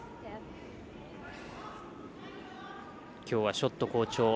きょうはショット好調。